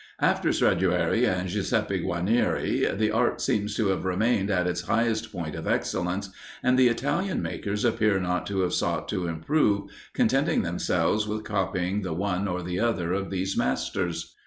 After Stradiuari and Giuseppe Guarnieri, the art seems to have remained at its highest point of excellence, and the Italian makers appear not to have sought to improve, contenting themselves with copying the one or the other of these masters.